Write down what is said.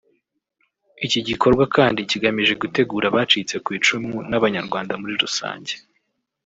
Iki gikorwa kandi kigamje gutegura abacitse ku icumu n’Abanyarwanda muri rusange